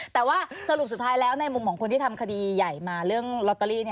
แต่ว่าสรุปสุดท้ายแล้วในมุมของคนที่ทำคดีใหญ่มาเรื่องลอตเตอรี่